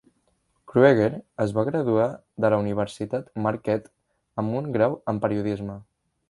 Krueger es va graduar de la Universitat Marquette amb un grau en periodisme.